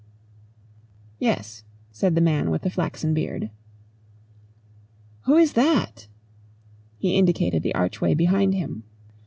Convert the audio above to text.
"Yes," said the man with the flaxen beard. "Who is that?" He indicated the archway behind him.